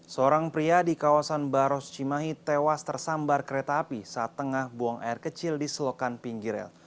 seorang pria di kawasan baros cimahi tewas tersambar kereta api saat tengah buang air kecil di selokan pinggir rel